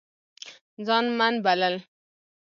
ځان من بلل